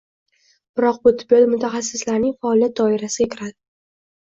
biroq bu tibbiyot mutaxassislarining faoliyat doirasiga kiradi.